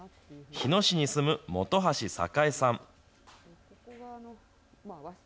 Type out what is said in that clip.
日野市に住む本橋栄さん。